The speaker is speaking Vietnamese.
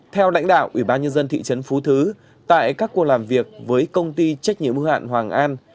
theo lãnh đạo ủy ban nhân dân thị trấn phú thứ tại các cuộc làm việc với công ty trách nhiệm hữu hạn hoàng an